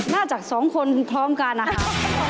จากสองคนพร้อมกันนะครับ